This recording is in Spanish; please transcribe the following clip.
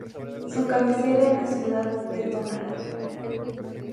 Su cabecera es la ciudad de Tonalá.